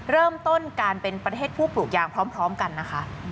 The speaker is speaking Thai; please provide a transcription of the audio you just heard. เริ่มต้นการเป็นประเทศผู้ปลูกยางพร้อมกันนะคะ